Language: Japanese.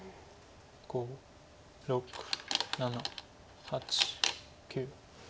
５６７８９。